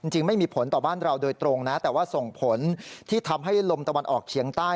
จริงไม่มีผลต่อบ้านเราโดยตรงนะแต่ว่าส่งผลที่ทำให้ลมตะวันออกเฉียงใต้